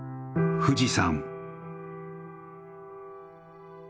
富士山。